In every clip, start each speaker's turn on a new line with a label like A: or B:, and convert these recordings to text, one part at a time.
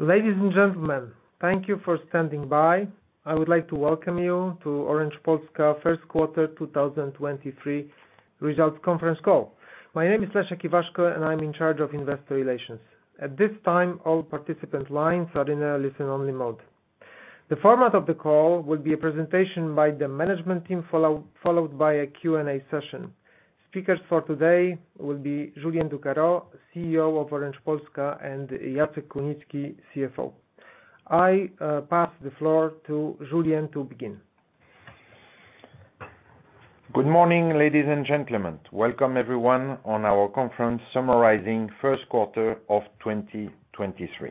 A: Ladies and gentlemen, thank you for standing by. I would like to welcome you to Orange Polska First Quarter 2023 Results Conference Call. My name is Leszek Iwaszko, I'm in charge of investor relations. At this time, all participant lines are in a listen-only mode. The format of the call will be a presentation by the management team followed by a Q&A session. Speakers for today will be Julien Ducarroz, CEO of Orange Polska, and Jacek Kunicki, CFO. I pass the floor to Julien to begin.
B: Good morning, ladies and gentlemen. Welcome everyone on our conference summarizing first quarter of 2023.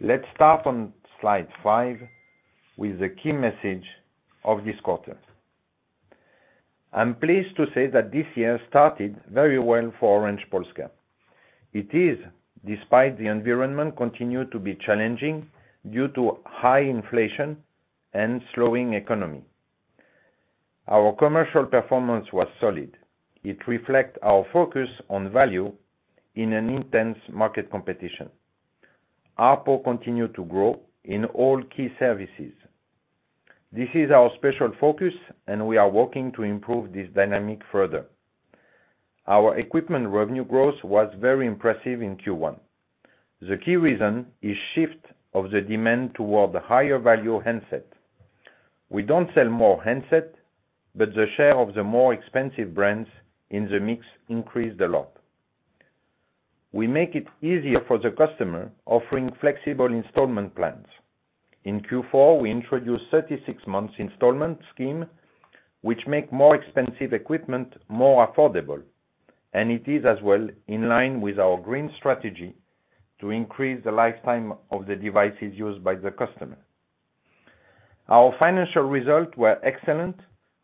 B: Let's start on slide five with the key message of this quarter. I'm pleased to say that this year started very well for Orange Polska. It is, despite the environment continued to be challenging due to high inflation and slowing economy. Our commercial performance was solid. It reflects our focus on value in an intense market competition. ARPU continued to grow in all key services. This is our special focus. We are working to improve this dynamic further. Our equipment revenue growth was very impressive in Q1. The key reason is shift of the demand toward the higher value handset. We don't sell more handset, but the share of the more expensive brands in the mix increased a lot. We make it easier for the customer, offering flexible installment plans. In Q4, we introduced 36 months installment scheme, which make more expensive equipment more affordable, and it is as well in line with our green strategy to increase the lifetime of the devices used by the customer. Our financial results were excellent,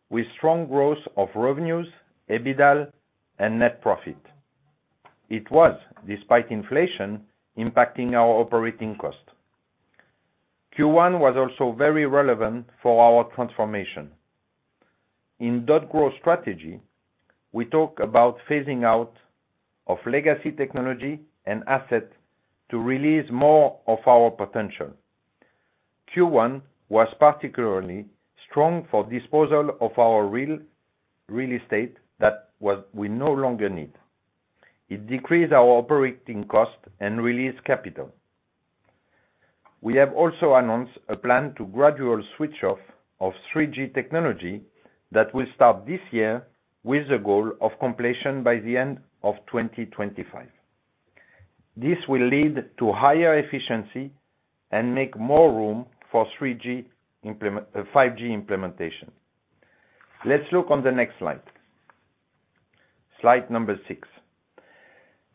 B: with strong growth of revenues, EBITDA, and net profit. It was despite inflation impacting our operating cost. Q1 was also very relevant for our transformation. In .Grow strategy, we talk about phasing out of legacy technology and asset to release more of our potential. Q1 was particularly strong for disposal of our real estate that was we no longer need. It decreased our operating cost and released capital. We have also announced a plan to gradual switch off of 3G technology that will start this year with the goal of completion by the end of 2025. This will lead to higher efficiency and make more room for 3G 5G implementation. Let's look on the next slide. Slide number six.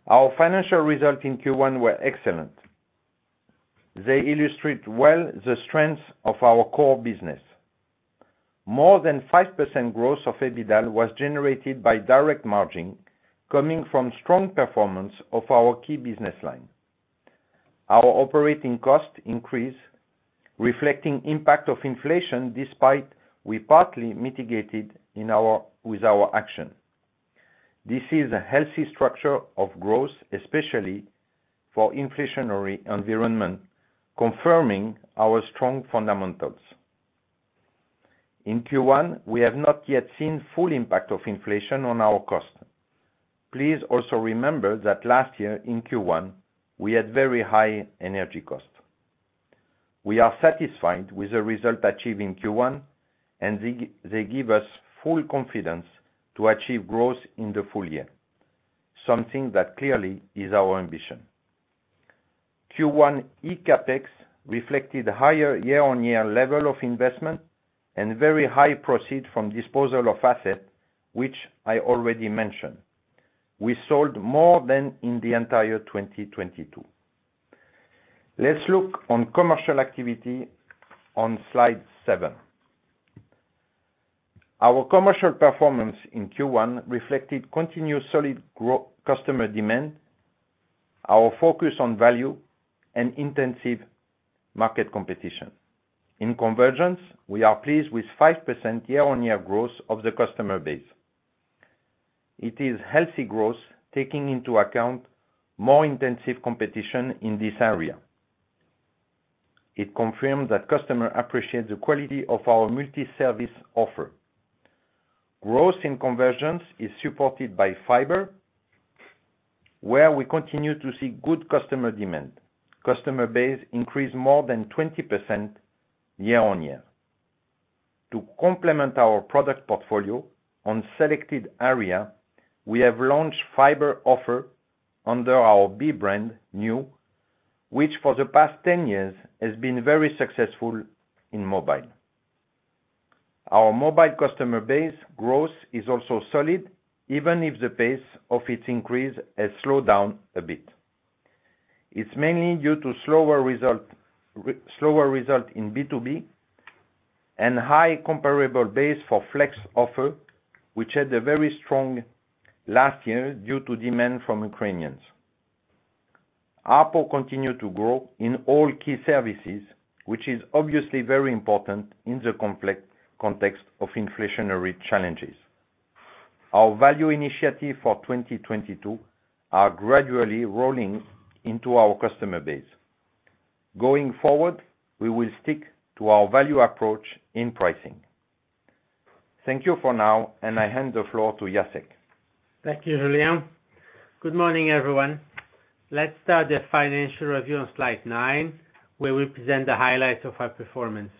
B: Our financial results in Q1 were excellent. They illustrate well the strength of our core business. More than 5% growth of EBITDA was generated by direct margin coming from strong performance of our key business line. Our operating cost increased, reflecting impact of inflation despite we partly mitigated with our action. This is a healthy structure of growth, especially for inflationary environment, confirming our strong fundamentals. In Q1, we have not yet seen full impact of inflation on our cost. Please also remember that last year in Q1, we had very high energy cost. We are satisfied with the result achieved in Q1, and they give us full confidence to achieve growth in the full year, something that clearly is our ambition. Q1 eCAPEX reflected higher year-on-year level of investment and very high proceed from disposal of asset, which I already mentioned. We sold more than in the entire 2022. Let's look on commercial activity on slide seven. Our commercial performance in Q1 reflected continuous solid customer demand, our focus on value, and intensive market competition. In convergence, we are pleased with 5% year-on-year growth of the customer base. It is healthy growth taking into account more intensive competition in this area. It confirms that customer appreciates the quality of our multi-service offer. Growth in convergence is supported by fiber, where we continue to see good customer demand. Customer base increased more than 20% year-on-year. To complement our product portfolio on selected area, we have launched fiber offer under our B-brand, nju mobile, which for the past 10 years has been very successful in mobile. Our mobile customer base growth is also solid, even if the pace of its increase has slowed down a bit. It's mainly due to slower result in B2B and high comparable base for flex offer, which had a very strong last year due to demand from Ukrainians. ARPU continued to grow in all key services, which is obviously very important in the complex context of inflationary challenges. Our value initiative for 2022 are gradually rolling into our customer base. Going forward, we will stick to our value approach in pricing. Thank you for now, and I hand the floor to Jacek.
C: Thank you, Julien. Good morning, everyone. Let's start the financial review on slide nine, where we present the highlights of our performance.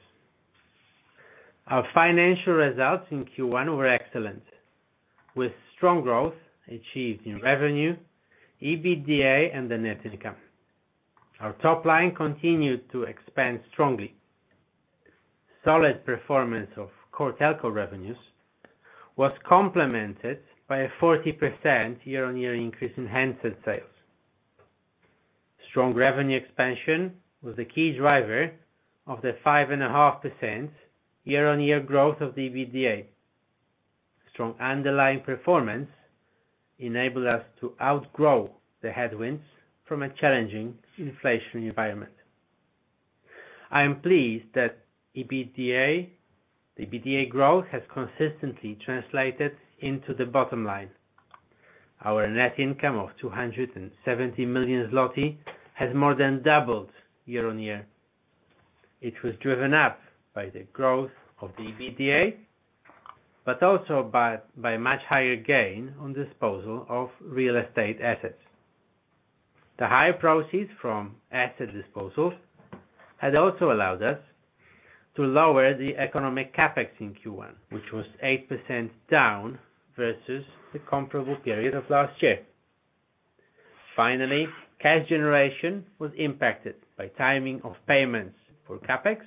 C: Our financial results in Q1 were excellent, with strong growth achieved in revenue, EBITDA and net income. Our top line continued to expand strongly. Solid performance of core telco revenues was complemented by a 40% year-on-year increase in handset sales. Strong revenue expansion was the key driver of the 5.5% year-on-year growth of the EBITDA. Strong underlying performance enabled us to outgrow the headwinds from a challenging inflation environment. I am pleased that the EBITDA growth has consistently translated into the bottom line. Our net income of 270 million zloty has more than doubled year-on-year. It was driven up by the growth of the EBITDA, but also by much higher gain on disposal of real estate assets. The higher proceeds from asset disposals has also allowed us to lower the economic CapEx in Q1, which was 8% down versus the comparable period of last year. Finally, cash generation was impacted by timing of payments for CapEx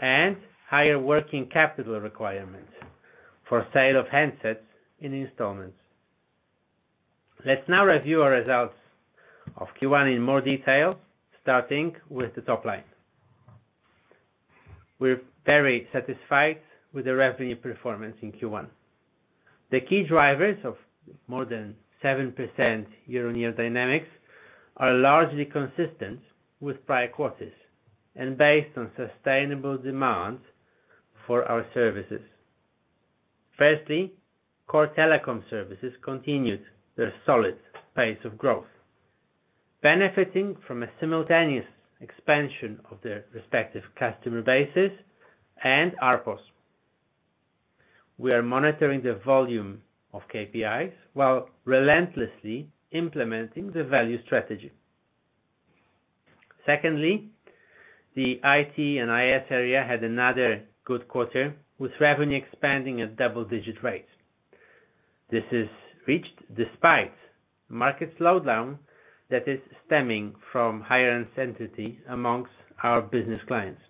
C: and higher working capital requirements for sale of handsets in installments. Let's now review our results of Q1 in more detail, starting with the top line. We're very satisfied with the revenue performance in Q1. The key drivers of more than 7% year-on-year dynamics are largely consistent with prior quarters and based on sustainable demand for our services. Firstly, core telecom services continued their solid pace of growth, benefiting from a simultaneous expansion of their respective customer bases and ARPO. We are monitoring the volume of KPIs while relentlessly implementing the value strategy. Secondly, the IT and IS area had another good quarter with revenue expanding at double-digit rates. This is reached despite market slowdown that is stemming from higher uncertainty amongst our business clients.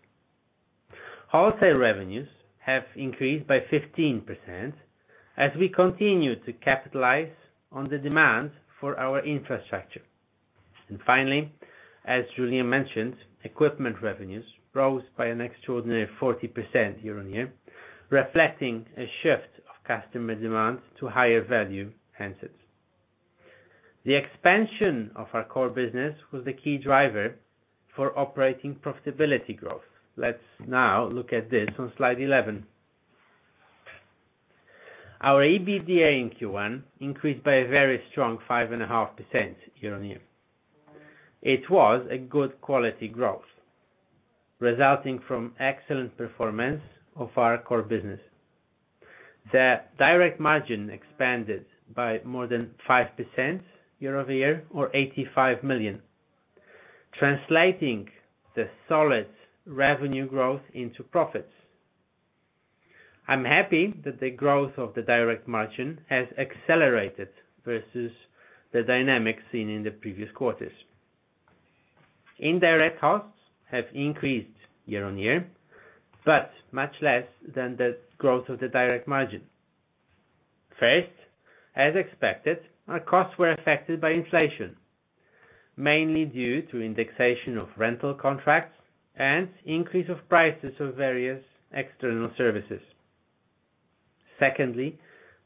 C: Wholesale revenues have increased by 15% as we continue to capitalize on the demand for our infrastructure. Finally, as Julien mentioned, equipment revenues rose by an extraordinary 40% year-on-year, reflecting a shift of customer demand to higher value handsets. The expansion of our core business was the key driver for operating profitability growth. Let's now look at this on slide 11. Our EBITDA in Q1 increased by a very strong 5.5% year-on-year. It was a good quality growth, resulting from excellent performance of our core business. The direct margin expanded by more than 5% year-over-year or 85 million, translating the solid revenue growth into profits. I'm happy that the growth of the direct margin has accelerated versus the dynamics seen in the previous quarters. Indirect costs have increased year-on-year, much less than the growth of the direct margin. As expected, our costs were affected by inflation, mainly due to indexation of rental contracts and increase of prices of various external services.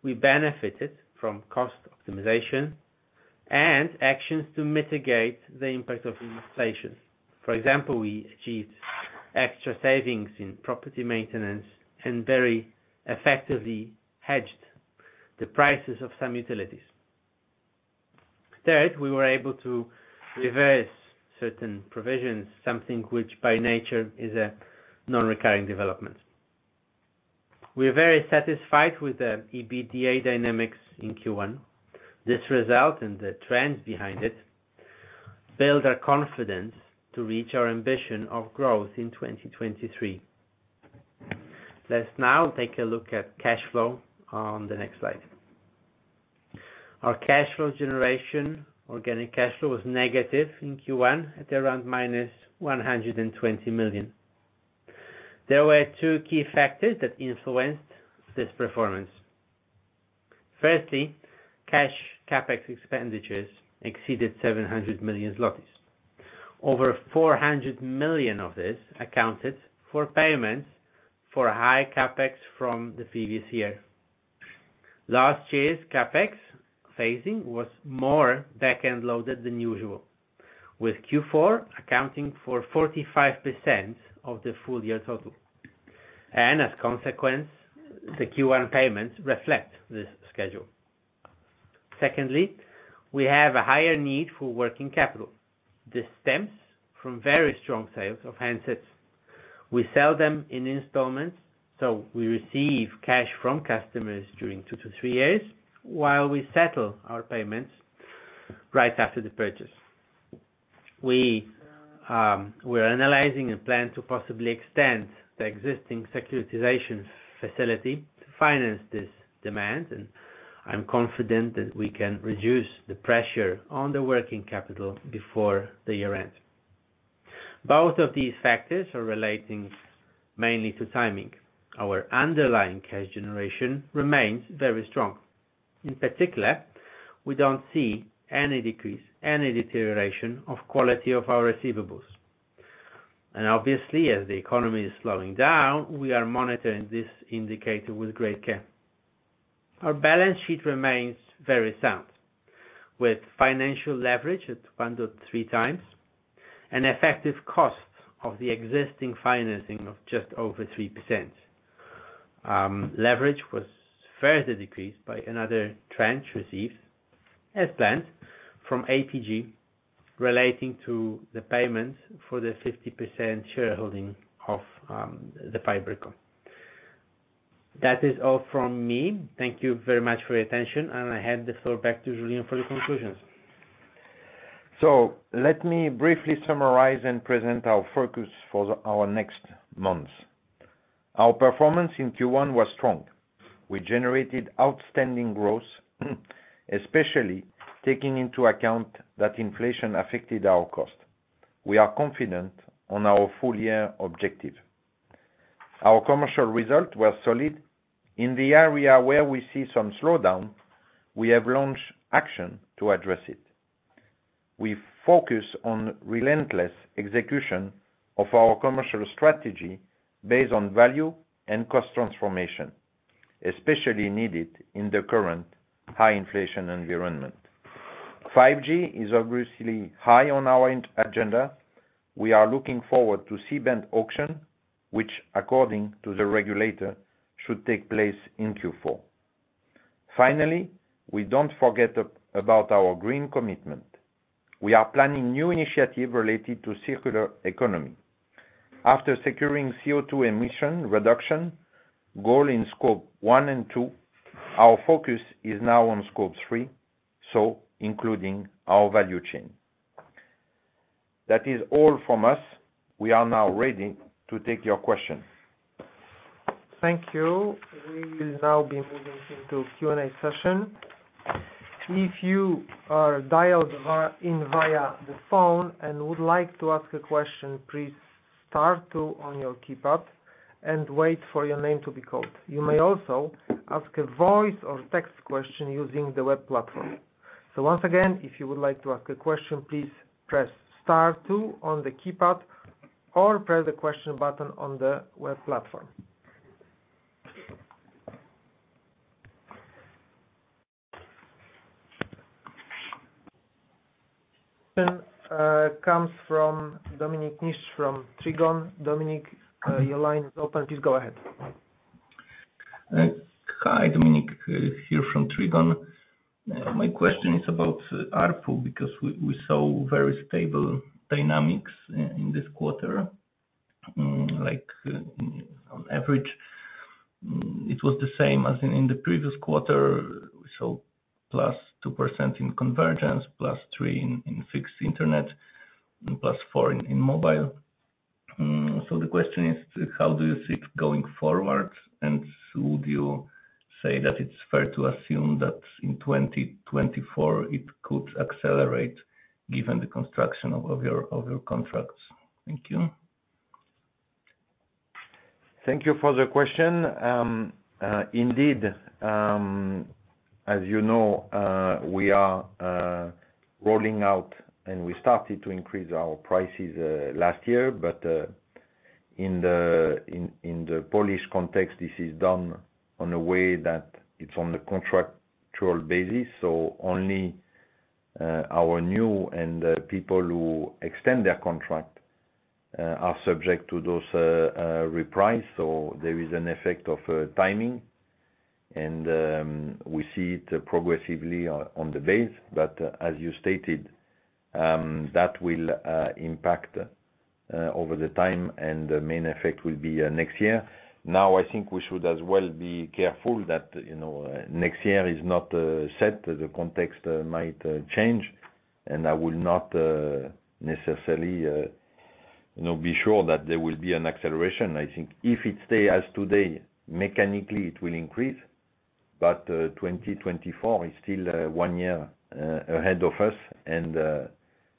C: We benefited from cost optimization and actions to mitigate the impact of inflation. For example, we achieved extra savings in property maintenance and very effectively hedged the prices of some utilities. We were able to reverse certain provisions, something which by nature is a non-recurring development. We are very satisfied with the EBITDA dynamics in Q1. This result and the trends behind it build our confidence to reach our ambition of growth in 2023. Let's now take a look at cash flow on the next slide. Our cash flow generation, organic cash flow, was negative in Q1 at around -120 million. There were two key factors that influenced this performance. Firstly, cash CapEx expenditures exceeded 700 million zlotys. Over 400 million of this accounted for payments for high CapEx from the previous year. Last year's CapEx phasing was more back-end loaded than usual. With Q4 accounting for 45% of the full year total. As a consequence, the Q1 payments reflect this schedule. Secondly, we have a higher need for working capital. This stems from very strong sales of handsets. We sell them in installments, so we receive cash from customers during two to three years while we settle our payments right after the purchase. We're analyzing a plan to possibly extend the existing securitization facility to finance this demand, and I'm confident that we can reduce the pressure on the working capital before the year ends. Both of these factors are relating mainly to timing. Our underlying cash generation remains very strong. In particular, we don't see any decrease, any deterioration of quality of our receivables. Obviously, as the economy is slowing down, we are monitoring this indicator with great care. Our balance sheet remains very sound, with financial leverage at 1.3 times, an effective cost of the existing financing of just over 3%. Leverage was further decreased by another tranche received, as planned, from APG, relating to the payments for the 50% shareholding of the FiberCo. That is all from me. Thank you very much for your attention. I hand the floor back to Julien for the conclusions.
B: Let me briefly summarize and present our focus for our next months. Our performance in Q1 was strong. We generated outstanding growth, especially taking into account that inflation affected our cost. We are confident on our full year objective. Our commercial result was solid. In the area where we see some slowdown, we have launched action to address it. We focus on relentless execution of our commercial strategy based on value and cost transformation, especially needed in the current high inflation environment. 5G is obviously high on our agenda. We are looking forward to C-band auction, which, according to the regulator, should take place in Q4. Finally, we don't forget about our green commitment. We are planning new initiative related to circular economy. After securing CO2 emission reduction goal in Scope 1 and 2, our focus is now on Scope 3, so including our value chain. That is all from us. We are now ready to take your question.
A: Thank you. We will now be moving into Q&A session. If you are dialed in via the phone and would like to ask a question, press star two on your keypad and wait for your name to be called. You may also ask a voice or text question using the web platform. Once again, if you would like to ask a question, please press star two on the keypad or press the question button on the web platform. Comes from Dominik Niszcz from Trigon. Dominik, your line is open. Please go ahead.
D: Hi, Dominik, here from Trigon. My question is about ARPU, because we saw very stable dynamics in this quarter. Like, on average, it was the same as in the previous quarter, +2% in convergence, +3 in fixed internet, and +4 in mobile. The question is how do you see it going forward? Would you say that it's fair to assume that in 2024 it could accelerate given the construction of your contracts? Thank you.
B: Thank you for the question. Indeed, as you know, we are rolling out and we started to increase our prices last year. In the Polish context, this is done on a way that it's on the contractual basis. Only our new and people who extend their contract are subject to those reprice. There is an effect of timing. We see it progressively on the base. As you stated, that will impact over the time and the main effect will be next year. I think we should as well be careful that, you know, next year is not set. The context might change, and I will not necessarily, you know, be sure that there will be an acceleration. I think if it stay as today, mechanically it will increase. 2024 is still one year ahead of us, and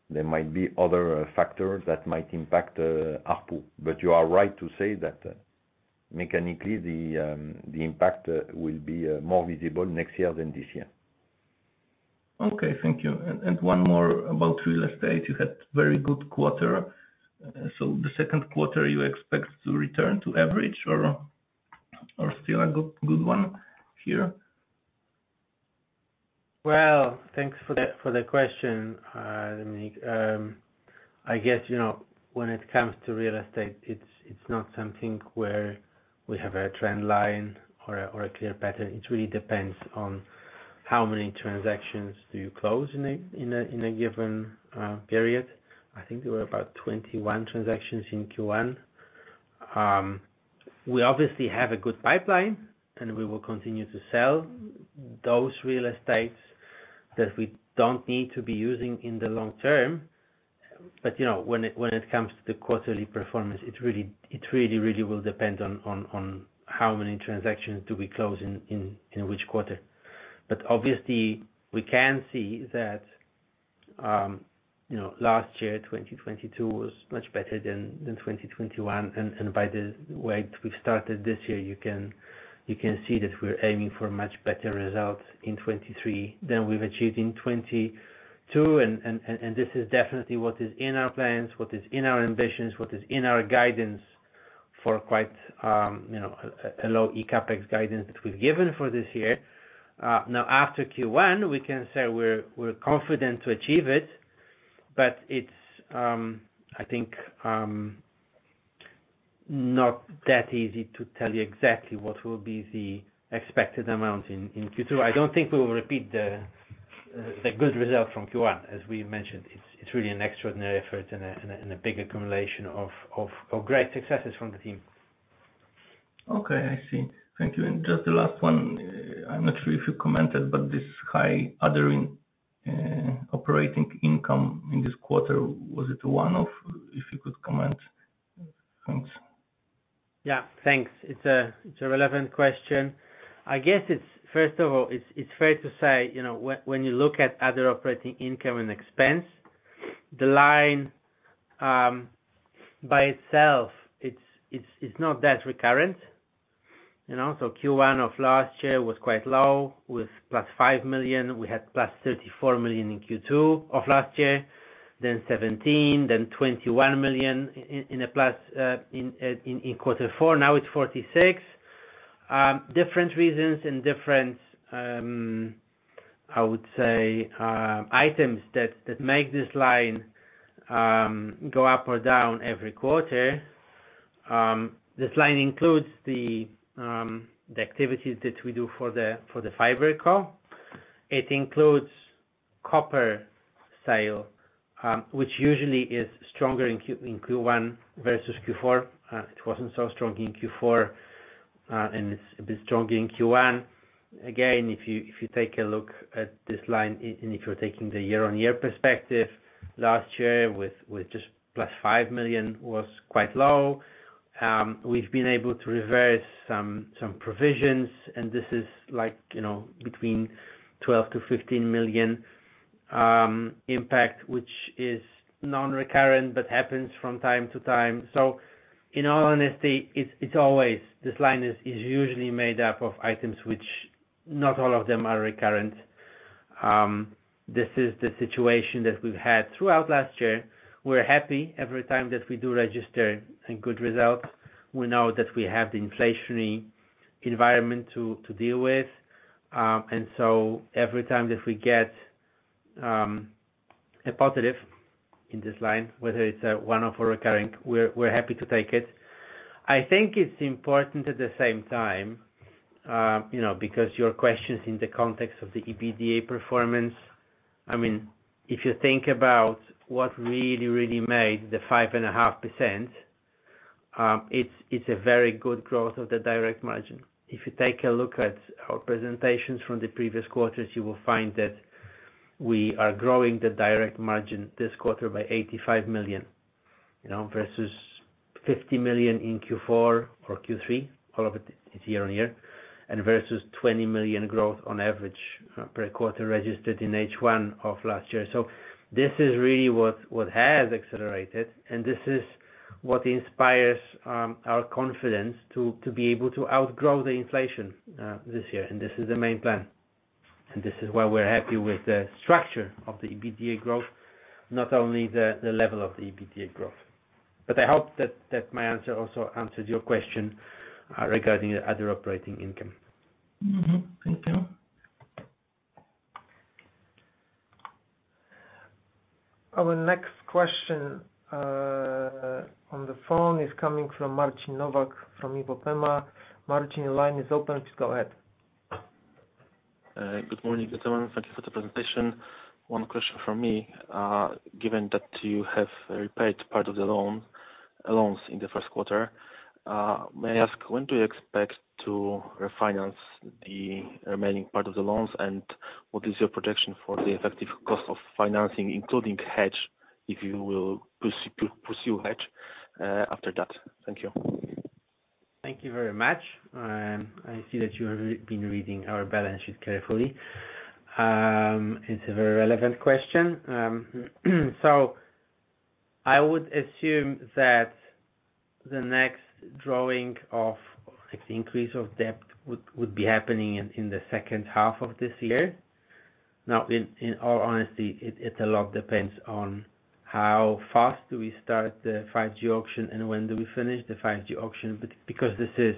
B: there might be other factors that might impact ARPU. You are right to say that mechanically the impact will be more visible next year than this year.
D: Okay. Thank you. One more about real estate. You had very good quarter. The second quarter you expect to return to average or still a good one here?
C: Thanks for the question, Dominik. I guess, you know, when it comes to real estate, it's not something where we have a trend line or a clear pattern. It really depends on how many transactions do you close in a given period. I think there were about 21 transactions in Q1. We obviously have a good pipeline, and we will continue to sell those real estates that we don't need to be using in the long term. You know, when it comes to the quarterly performance, it really will depend on how many transactions do we close in which quarter. Obviously, we can see that, you know, last year, 2022 was much better than 2021. By the way we've started this year, you can see that we're aiming for much better results in 2023 than we've achieved in 2022. This is definitely what is in our plans, what is in our ambitions, what is in our guidance for quite, you know, a low CapEx guidance that we've given for this year. Now after Q1, we can say we're confident to achieve it. It's, I think, not that easy to tell you exactly what will be the expected amount in Q2. I don't think we will repeat the good result from Q1. As we mentioned, it's really an extraordinary effort and a big accumulation of great successes from the team.
D: Okay, I see. Thank you. Just the last one. I'm not sure if you commented, but this high other in operating income in this quarter, was it one-off, if you could comment? Thanks.
C: Yeah, thanks. It's a relevant question. I guess first of all, it's fair to say, you know, when you look at other operating income and expense, the line, by itself, it's not that recurrent, you know. Q1 of last year was quite low, with +5 million. We had +34 million in Q2 of last year, 17 million, 21 million in quarter four. Now it's 46 million. Different reasons and different, I would say, items that make this line go up or down every quarter. This line includes the activities that we do for the FiberCo. It includes copper sale, which usually is stronger in Q1 versus Q4. It wasn't so strong in Q4, and it's a bit strong in Q1. Again, if you take a look at this line and if you're taking the year-on-year perspective, last year with just +5 million was quite low. We've been able to reverse some provisions, and this is like, you know, between 12-15 million impact, which is non-recurrent but happens from time to time. In all honesty, this line is usually made up of items which not all of them are recurrent. This is the situation that we've had throughout last year. We're happy every time that we do register a good result. We know that we have the inflationary environment to deal with. Every time that we get a positive in this line, whether it's one-off or recurring, we're happy to take it. I think it's important at the same time, you know, because your question is in the context of the EBITDA performance. I mean, if you think about what really made the 5.5%, it's a very good growth of the direct margin. If you take a look at our presentations from the previous quarters, you will find that we are growing the direct margin this quarter by 85 million, you know, versus 50 million in Q4 or Q3. All of it is year-on-year. Versus 20 million growth on average per quarter registered in H1 of last year. This is really what has accelerated, and this is what inspires our confidence to be able to outgrow the inflation this year. This is the main plan, and this is why we're happy with the structure of the EBITDA growth, not only the level of the EBITDA growth. I hope that my answer also answers your question regarding the other operating income.
D: Mm-hmm. Thank you.
A: Our next question on the phone is coming from Marcin Nowak from IPOPEMA Securities. Marcin, your line is open. Go ahead.
E: Good morning, everyone. Thank you for the presentation. One question from me. Given that you have repaid part of the loan, loans in the first quarter, may I ask when do you expect to refinance the remaining part of the loans? What is your projection for the effective cost of financing, including hedge, if you will pursue hedge, after that? Thank you.
C: Thank you very much. I see that you have been reading our balance sheet carefully. It's a very relevant question. I would assume that the next drawing of, like, the increase of debt would be happening in the second half of this year. In all honesty, it a lot depends on how fast do we start the 5G auction and when do we finish the 5G auction. Because this is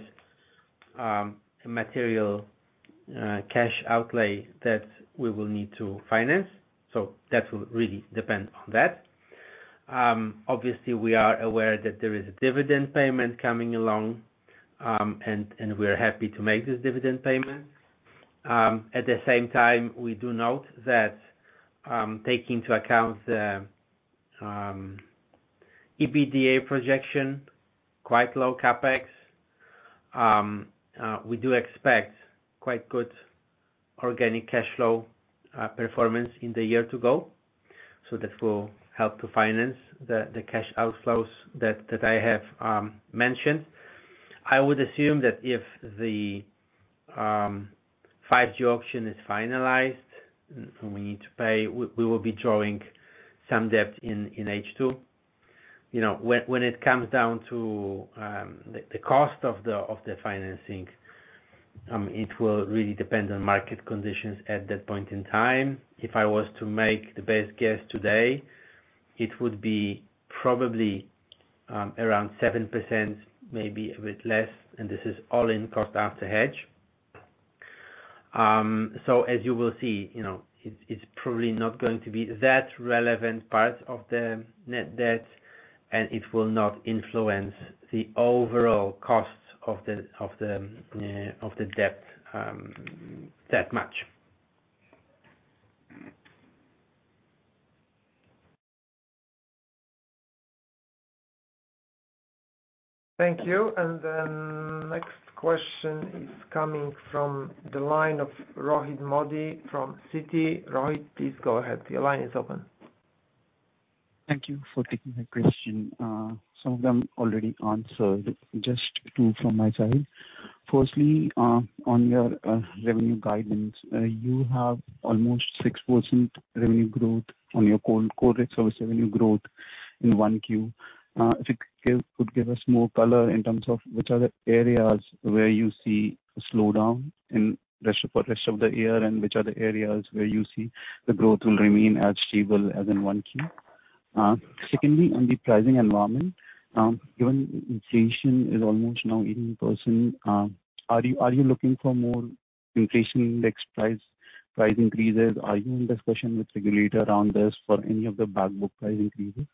C: a material cash outlay that we will need to finance, that will really depend on that. Obviously, we are aware that there is a dividend payment coming along, and we're happy to make this dividend payment. At the same time, we do note that take into account the EBITDA projection, quite low CapEx. We do expect quite good organic cash flow performance in the year to go. That will help to finance the cash outflows that I have mentioned. I would assume that if the 5G auction is finalized and we need to pay, we will be drawing some debt in H2. You know, when it comes down to the cost of the financing, it will really depend on market conditions at that point in time. If I was to make the best guess today, it would be probably around 7%, maybe a bit less, and this is all-in cost after hedge. As you will see, you know, it's probably not going to be that relevant part of the net debt, and it will not influence the overall cost of the debt, that much.
F: Thank you. Next question is coming from the line of Rohit Modi from Citi. Rohit, please go ahead. The line is open.
G: Thank you for taking my question. Some of them already answered, just two from my side. Firstly, on your revenue guidance. You have almost 6% revenue growth on your core rate service revenue growth in 1Q. Could give us more color in terms of which are the areas where you see a slowdown in rest of the year, and which are the areas where you see the growth will remain as stable as in 1Q. Secondly, on the pricing environment, given inflation is almost now 18%, are you looking for more inflation index price increases? Are you in discussion with regulator around this for any of the back book price increases?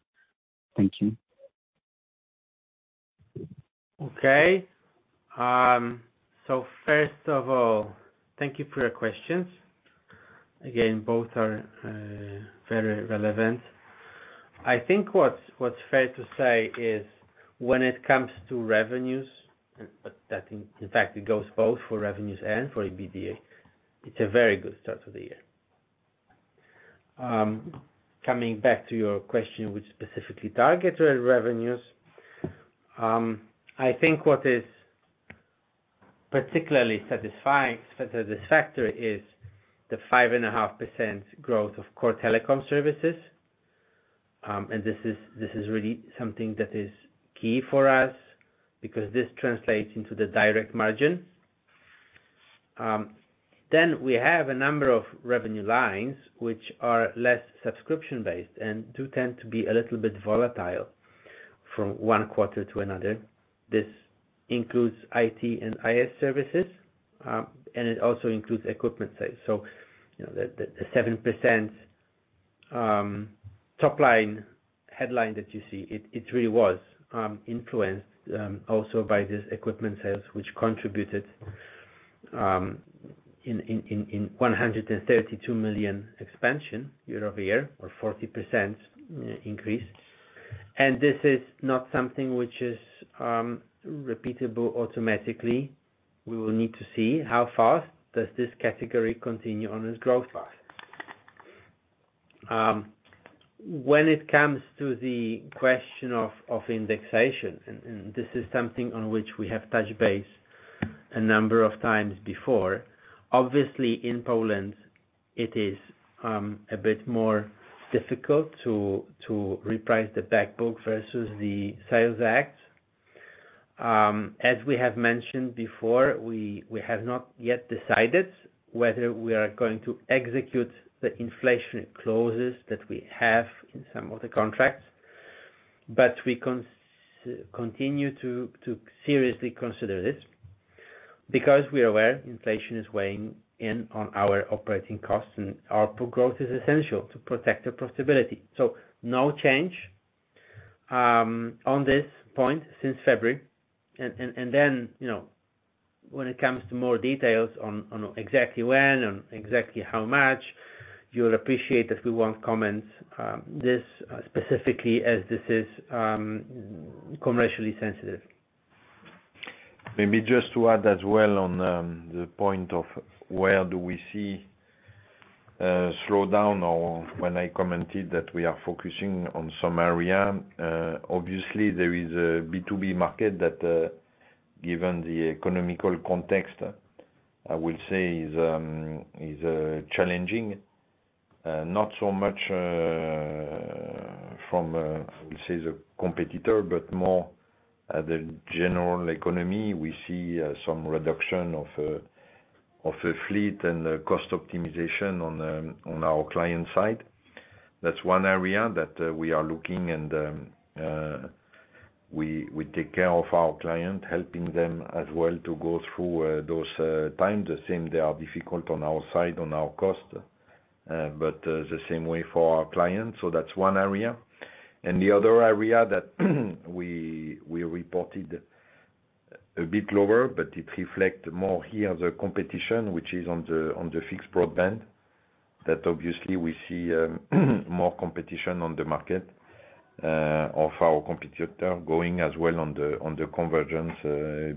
G: Thank you.
C: Okay. First of all, thank you for your questions. Again, both are very relevant. I think what's fair to say is when it comes to revenues, but that in fact it goes both for revenues and for EBITDA, it's a very good start to the year. Coming back to your question, which specifically targets our revenues. I think what is particularly satisfying as a factor is the 5.5% growth of core telecom services. This is really something that is key for us because this translates into the direct margins. We have a number of revenue lines which are less subscription-based and do tend to be a little bit volatile from one quarter to another. This includes IT and IS services, and it also includes equipment sales. You know, the 7% top line headline that you see, it really was influenced also by this equipment sales, which contributed 132 million expansion year-over-year or 40% increase. This is not something which is repeatable automatically. We will need to see how fast does this category continue on its growth path. When it comes to the question of indexation, and this is something on which we have touched base a number of times before. Obviously in Poland, it is a bit more difficult to reprice the back book versus the sales act. As we have mentioned before, we have not yet decided whether we are going to execute the inflation clauses that we have in some of the contracts. We continue to seriously consider this because we are aware inflation is weighing in on our operating costs and output growth is essential to protect our profitability. No change on this point since February. You know, when it comes to more details on exactly when and exactly how much, you'll appreciate that we won't comment this specifically as this is commercially sensitive.
B: Maybe just to add as well on the point of where do we see slowdown or when I commented that we are focusing on some area, obviously there is a B2B market that, given the economic context, I will say is challenging. Not so much from, I would say the competitor, but more at the general economy, we see some reduction of a fleet and the cost optimization on our client side. That's one area that we are looking and we take care of our client, helping them as well to go through those times. The same, they are difficult on our side, on our cost, but the same way for our clients. That's one area. The other area that we reported a bit lower, but it reflect more here the competition, which is on the fixed broadband. Obviously we see more competition on the market of our competitor going as well on the convergence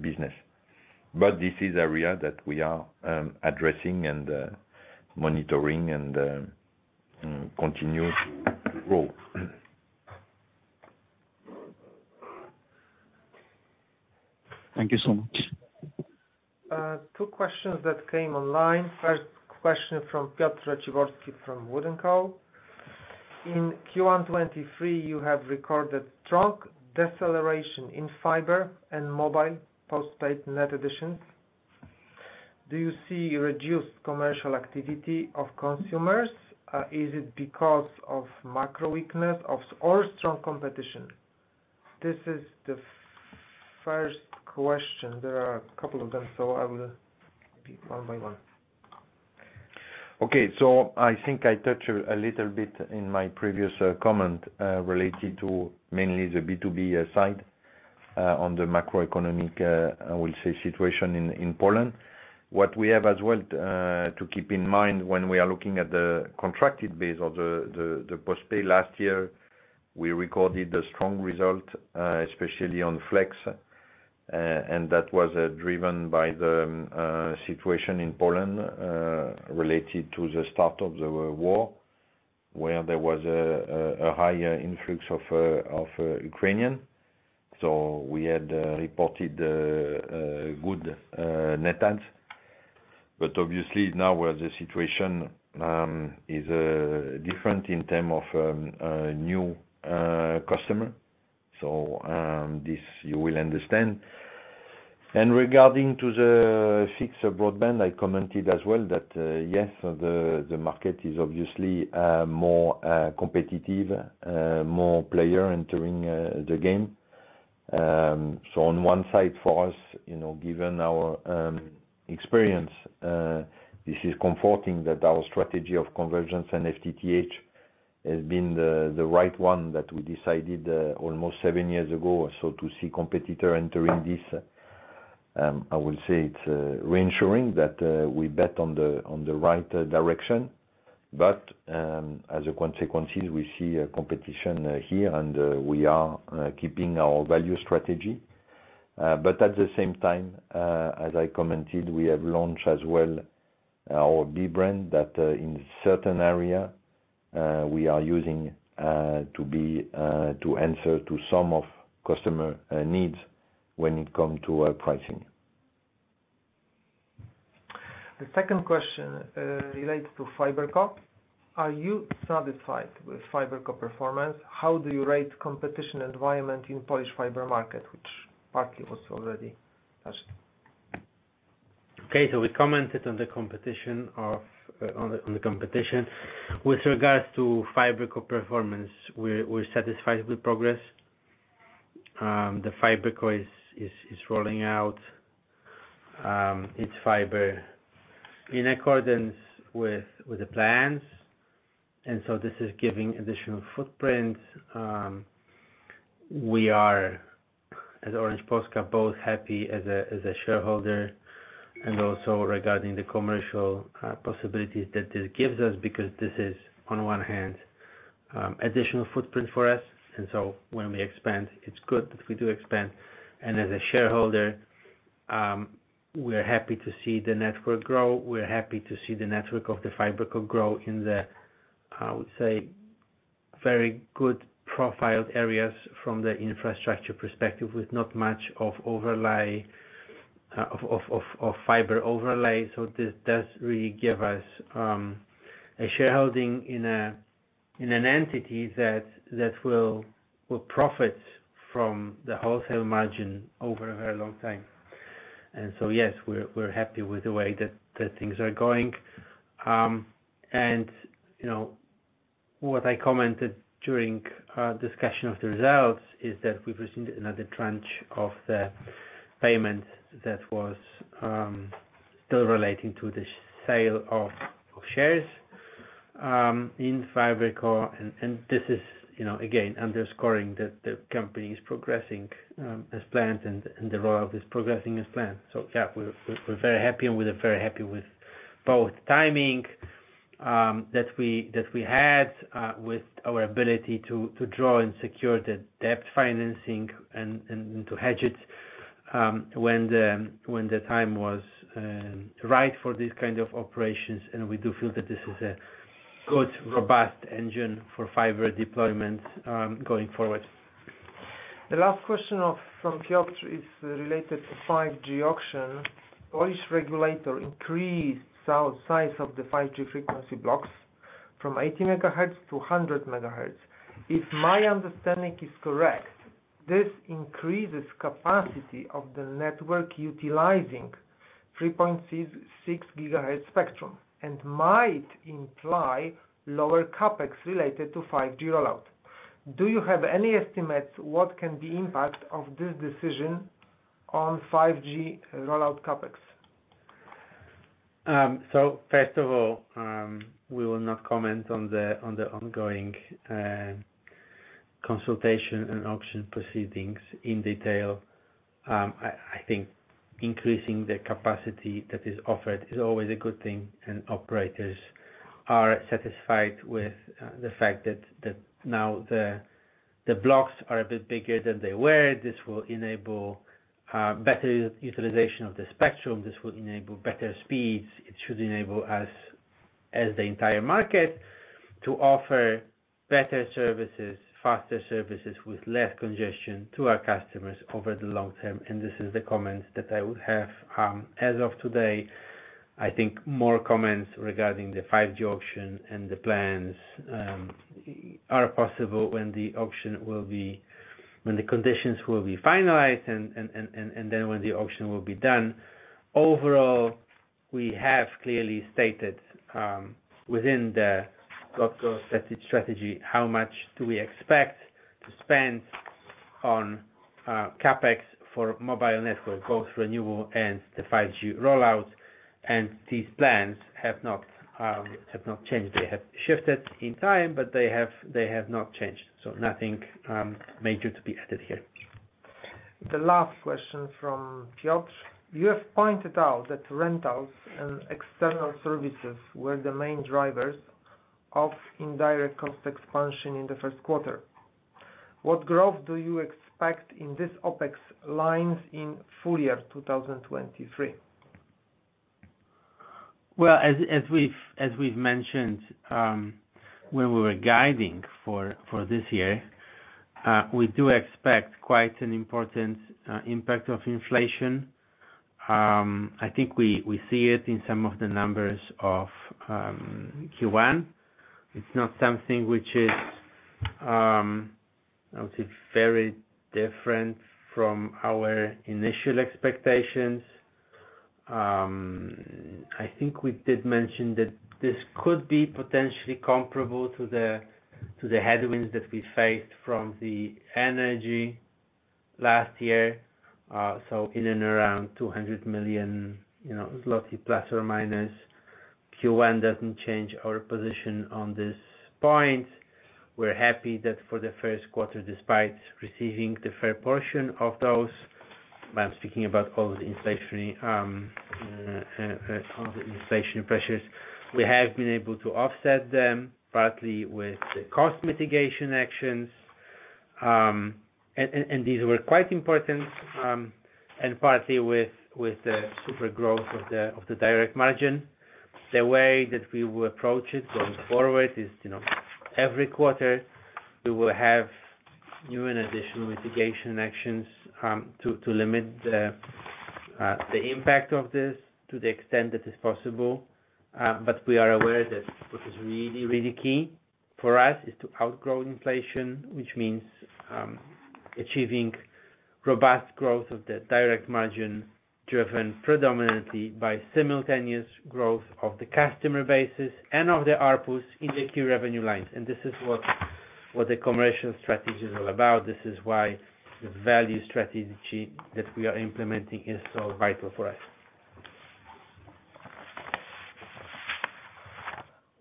B: business. This is area that we are addressing and monitoring and continue to grow.
C: Thank you so much.
A: Two questions that came online. First question from Piotr Raciborski from WOOD & Company. In Q1 2023, you have recorded strong deceleration in fiber and mobile postpaid net additions. Do you see reduced commercial activity of consumers? Is it because of macro weakness or strong competition? This is the first question. There are a couple of them, so I will take one by one.
B: Okay. I think I touched a little bit in my previous comment related to mainly the B2B side on the macroeconomic, I will say situation in Poland. What we have as well to keep in mind when we are looking at the contracted base of the postpaid last year, we recorded a strong result especially on Flex. That was driven by the situation in Poland related to the start of the war, where there was a higher influx of Ukrainian. We had reported a good net adds. Obviously now where the situation is different in term of a new customer. This you will understand. Regarding to the fixed broadband, I commented as well that, yes, the market is obviously more competitive, more player entering the game. On one side for us, you know, given our experience, this is comforting that our strategy of convergence and FTTH has been the right one that we decided almost seven years ago. To see competitor entering this, I will say it's reassuring that we bet on the right direction. As a consequences, we see a competition here and we are keeping our value strategy. At the same time, as I commented, we have launched as well our B-brand that, in certain area, we are using, to be, to answer to some of customer needs when it come to our pricing.
A: The second question relates to FiberCo. Are you satisfied with FiberCo performance? How do you rate competition environment in Polish fiber market, which partly was already touched?
C: Okay. We commented on the competition. With regards to FiberCo performance, we're satisfied with progress. The FiberCo is rolling out its fiber in accordance with the plans. This is giving additional footprint. We are, as Orange Polska, both happy as a shareholder and also regarding the commercial possibilities that this gives us, because this is on one hand, additional footprint for us. When we expand, it's good that we do expand. As a shareholder, we're happy to see the network grow. We're happy to see the network of the FiberCo grow in the, I would say, very good profiled areas from the infrastructure perspective, with not much of overlay of fiber overlay. This does really give us a shareholding in an entity that will profit from the wholesale margin over a very long time. Yes, we're happy with the way that things are going. You know, what I commented during our discussion of the results is that we've received another tranche of the payment that was still relating to the sale of shares in Fiberco. This is, you know, again, underscoring that the company is progressing as planned and the rollout is progressing as planned. Yeah, we're very happy and we're very happy with both timing, that we had with our ability to draw and secure the debt financing and to hedge it, when the time was right for these kind of operations. We do feel that this is a good, robust engine for fiber deployment, going forward.
A: The last question from Piotr is related to 5G auction. Polish regulator increased size of the 5G frequency blocks from 80 MHz to 100 MHz. If my understanding is correct, this increases capacity of the network utilizing 3.6 GHz spectrum, and might imply lower CapEx related to 5G rollout. Do you have any estimates what can be impact of this decision on 5G rollout CapEx?
C: First of all, we will not comment on the ongoing consultation and auction proceedings in detail. I think increasing the capacity that is offered is always a good thing, operators are satisfied with the fact that now the blocks are a bit bigger than they were. This will enable better utilization of the spectrum. This will enable better speeds. It should enable us, as the entire market, to offer better services, faster services with less congestion to our customers over the long term, and this is the comments that I would have as of today. I think more comments regarding the 5G auction and the plans are possible when the conditions will be finalized and then when the auction will be done. Overall, we have clearly stated, within the .Grow strategy, how much do we expect to spend on CapEx for mobile network, both renewal and the 5G rollout. These plans have not changed. They have shifted in time, but they have not changed. Nothing major to be added here.
A: The last question from Piotr. You have pointed out that rentals and external services were the main drivers of indirect cost expansion in the first quarter. What growth do you expect in this OpEx lines in full year 2023?
C: Well, as we've mentioned, when we were guiding for this year, we do expect quite an important impact of inflation. I think we see it in some of the numbers of Q1. It's not something which is, I would say, very different from our initial expectations. I think we did mention that this could be potentially comparable to the headwinds that we faced from the energy last year. In and around 200 million, you know, ±. Q1 doesn't change our position on this point. We're happy that for the first quarter, despite receiving the fair portion of those, I'm speaking about all the inflationary pressures. We have been able to offset them, partly with the cost mitigation actions, and these were quite important, and partly with the super growth of the Direct Margin. The way that we will approach it going forward is, you know, every quarter we will have new and additional mitigation actions to limit the impact of this to the extent that is possible. We are aware that what is really key for us is to outgrow inflation, which means achieving robust growth of the Direct Margin driven predominantly by simultaneous growth of the customer bases and of the ARPUs in the key revenue lines. This is what the commercial strategy is all about. This is why the value strategy that we are implementing is so vital for us.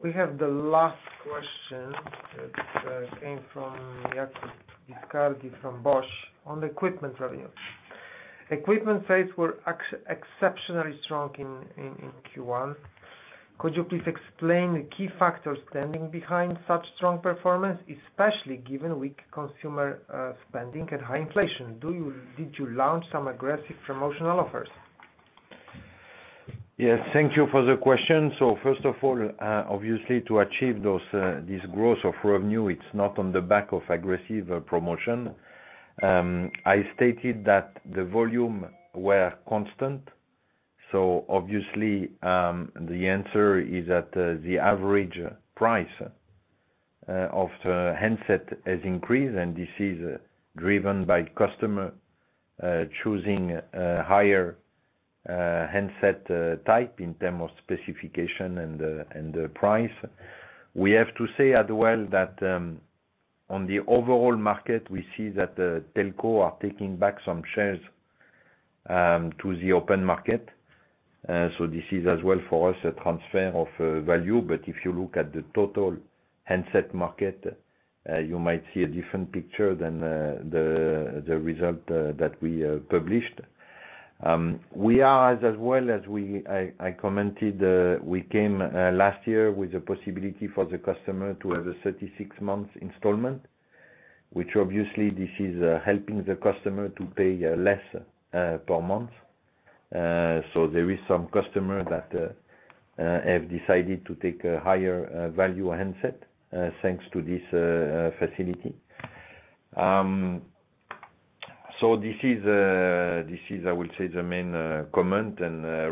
A: We have the last question that came from Jakub Viscardi from BOŚ on equipment revenue. Equipment sales were exceptionally strong in Q1. Could you please explain the key factors standing behind such strong performance, especially given weak consumer spending and high inflation? Did you launch some aggressive promotional offers?
B: Yes, thank you for the question. First of all, obviously to achieve those, this growth of revenue, it's not on the back of aggressive promotion. I stated that the volume were constant. Obviously, the answer is that the average price of the handset has increased, and this is driven by customer choosing a higher handset type in terms of specification and the price. We have to say as well that on the overall market, we see that the telco are taking back some shares to the open market. This is as well for us, a transfer of value. If you look at the total handset market, you might see a different picture than the result that we published. We are as well as we. I commented, we came last year with the possibility for the customer to have a 36 months installment, which obviously this is helping the customer to pay less per month. There is some customer that have decided to take a higher value handset thanks to this facility. This is I would say the main comment.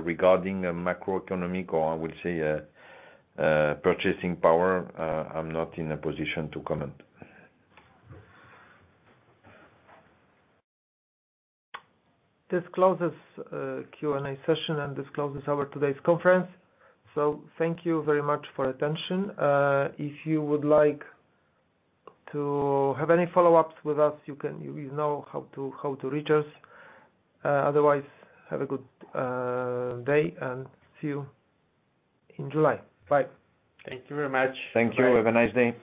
B: Regarding the macroeconomic or I would say purchasing power, I'm not in a position to comment.
A: This closes Q&A session, and this closes our today's conference. Thank you very much for attention. If you would like to have any follow-ups with us, you know how to reach us. Otherwise, have a good day, and see you in July. Bye.
C: Thank you very much.
B: Thank you. Have a nice day.